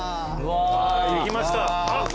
できました。